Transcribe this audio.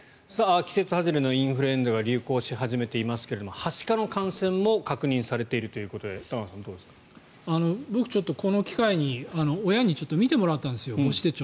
季節外れのインフルエンザが流行し始めていますがはしかの感染も確認されているということで僕、ちょっとこの機会に親に見てもらったんですよ母子手帳。